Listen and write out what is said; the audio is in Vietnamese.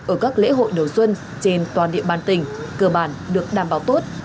ở các lễ hội đầu xuân trên toàn địa bàn tỉnh cơ bản được đảm bảo tốt